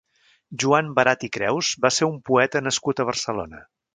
Joan Barat i Creus va ser un poeta nascut a Barcelona.